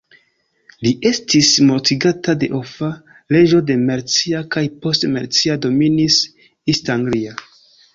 Li estis mortigata de Offa, reĝo de Mercia, kaj poste Mercia dominis East Anglia.